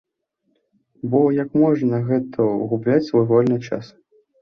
Бо як можна на гэта губляць свой вольны час?